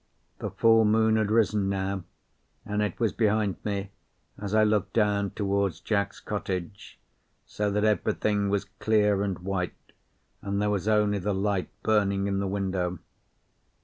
The full moon had risen now, and it was behind me as I looked down toward Jack's cottage, so that everything was clear and white, and there was only the light burning in the window.